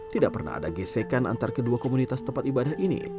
tidak pernah ada gesekan antar kedua komunitas tempat ibadah ini